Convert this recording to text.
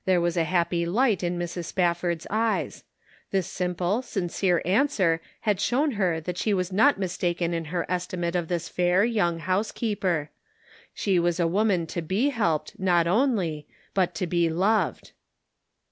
There was a happy light in Mrs. Spafford's eyes. This simple, sincere answer had shown her that she was not mistaken in her estimate of this fair young housekeeper; she was a woman to be helped, not only, but to be loved.